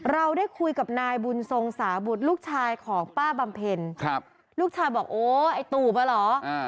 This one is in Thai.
เราได้คุยกับนายบุญทรงสาบุตรลูกชายของป้าบำเพ็ญครับลูกชายบอกโอ้ไอ้ตูบอ่ะเหรอ